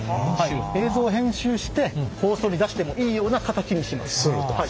映像を編集して放送に出してもいいような形にします。